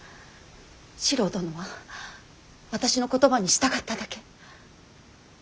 四郎殿は私の言葉に従っただけ。